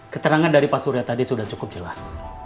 keterangan dari pak surya tadi sudah cukup jelas